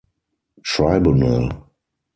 Tribunal!